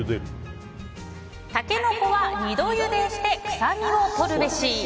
タケノコは二度ゆでして臭みを取るべし。